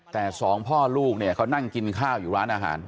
แต่สองพ่อลูกเนี่ยเขานั่งกินข้าวอยู่ร้านอาหาร